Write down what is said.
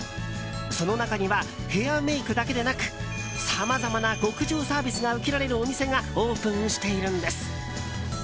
その中にはヘアメイクだけでなくさまざまな極上サービスが受けられるお店がオープンしているんです。